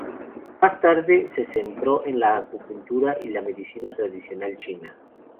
Más tarde se centró en la acupuntura y la medicina tradicional china.